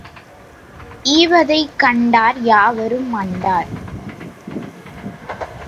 ஈவதைக் கண்டார் யாவரும் அண்டார்.